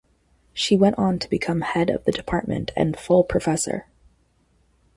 She went on to become head of the department and full professor.